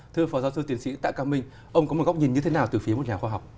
thưa phó giáo sư tiến sĩ tạ quang minh ông có một góc nhìn như thế nào từ phía một nhà khoa học